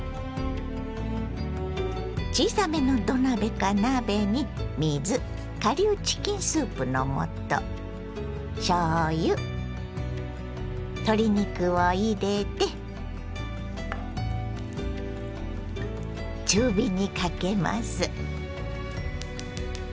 小さめの土鍋か鍋に水顆粒チキンスープの素しょうゆ鶏肉を入れて中火にかけます。